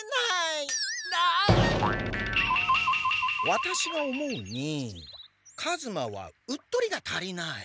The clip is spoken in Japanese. ワタシが思うに数馬はうっとりが足りない。